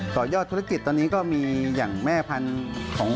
ต่อยอดธุรกิจตอนนี้ก็มีอย่างแม่พันธุ์ของ